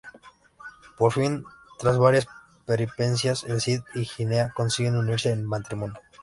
Por fin, tras varias peripecias, El Cid y Jimena consiguen unirse en matrimonio.